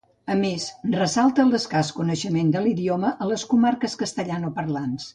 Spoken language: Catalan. A més, ressalta l'escàs coneixement de l'idioma a les comarques castellanoparlants.